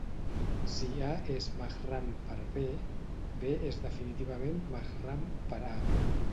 Si "A" és "mahram" per "B", "B" és definitivament "mahram" per "A".